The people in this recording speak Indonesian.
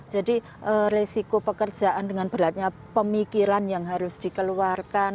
jadi resiko pekerjaan dengan beratnya pemikiran yang harus dikeluarkan